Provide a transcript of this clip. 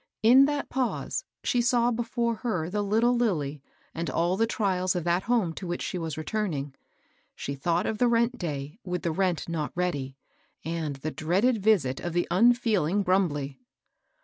In that pause, she saw before her the little Lilly and all the trials of that home to which she was returning. She thought of the rent day with the rent not ready, and the dreaded visit of the unfeeling Brumbley.